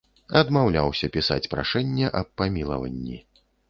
Адмаўляўся пісаць прашэнне аб памілаванні.